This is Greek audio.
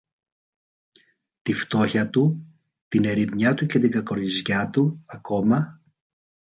Τη φτώχεια του, την ερημιά του και την κακοριζικιά του ακόμα